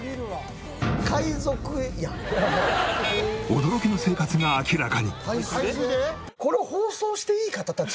驚きの生活が明らかに。